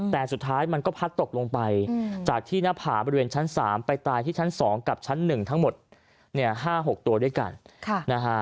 แต่สุดท้ายมันก็พัดตกลงไปจากที่หน้าผาบริเวณชั้นสามไปตายที่ชั้นสองกับชั้นหนึ่งทั้งหมด๕๖ตัวด้วยกัน